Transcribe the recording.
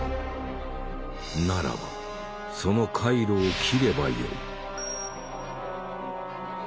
ならばその回路を切ればよい。